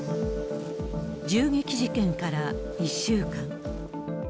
銃撃事件から１週間。